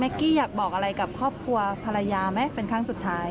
กี้อยากบอกอะไรกับครอบครัวภรรยาไหมเป็นครั้งสุดท้าย